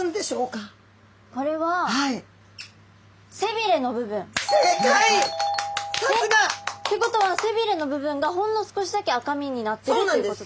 これはさすが！ってことは背びれの部分がほんの少しだけ赤身になってるっていうことですか？